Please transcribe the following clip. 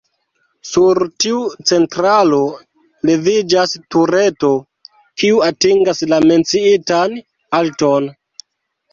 Sur tiu centralo leviĝas tureto, kiu atingas la menciitan alton.